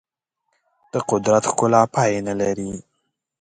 د قدرت ښکلا پای نه لري.